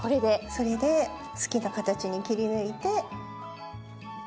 それで好きな形に切り抜いて。